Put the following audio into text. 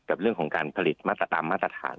กับเรื่องของการผลิตตามมาตรฐาน